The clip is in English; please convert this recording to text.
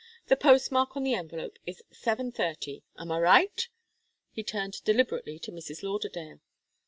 The postmark on the envelope is seven thirty. Am I right?" He turned deliberately to Mrs. Lauderdale.